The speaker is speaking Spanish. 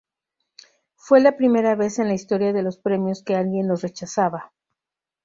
Fue la primera vez en la historia de los premios que alguien los rechazaba.